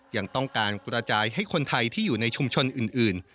ยังต้องการกระจายให้คนไทยที่อยู่ในชุมชนอื่น